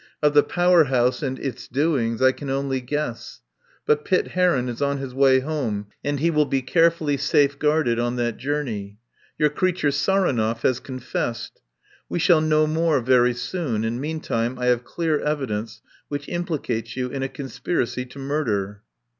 Of the Power House and its doings I can only guess. But Pitt Heron is on his way home, and he will be carefully safeguarded on that journey. Your creature, Saronov, has confessed. We shall know more very soon, and meantime I have clear evidence which implicates you in a conspiracy to murder."